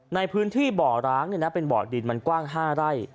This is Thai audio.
ในพื้นที่บ่อร้างเป็นบ่อดินมันกว้าง๕ไร่